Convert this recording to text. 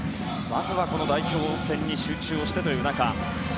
まずは代表戦に集中をしてという中。